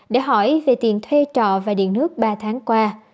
để hỏi về tiền thuê trọ và điện nước ba tháng qua